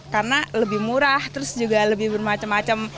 karena lebih murah terus juga lebih bermacam macam